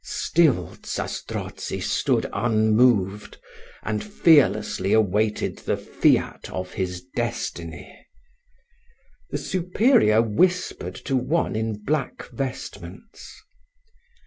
Still Zastrozzi stood unmoved, and fearlessly awaited the fiat of his destiny. The superior whispered to one in black vestments.